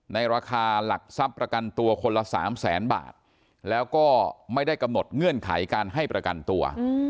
ในราคาหลักทรัพย์ประกันตัวคนละ๓แสนบาทแล้วก็ไม่ได้กำหนดเงื่อนไขการให้ประกันตัว